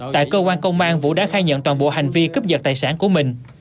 tại cơ quan công an vũ đã khai nhận toàn bộ hành vi cướp giật tài sản của mình